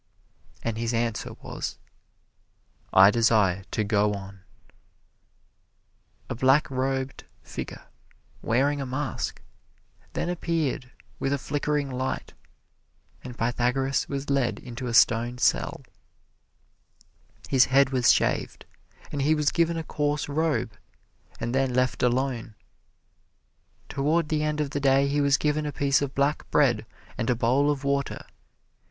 And his answer was, "I desire to go on." A black robed figure, wearing a mask, then appeared with a flickering light, and Pythagoras was led into a stone cell. His head was shaved, and he was given a coarse robe and then left alone. Toward the end of the day he was given a piece of black bread and a bowl of water.